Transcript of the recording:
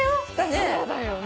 そうだよね。